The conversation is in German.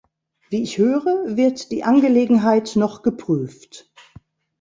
Wie ich höre, wird die Angelegenheit noch geprüft.